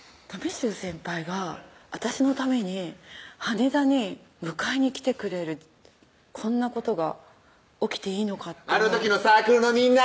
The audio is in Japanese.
しゅう先輩が私のために羽田に迎えに来てくれるこんなことが起きていいのかあの時のサークルのみんな！